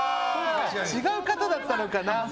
違う方だったのかな。